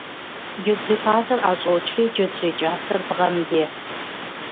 Джэджьей пасэр ӏэщӏокӏри, джэджьей кӏасэр бгъэм ехь.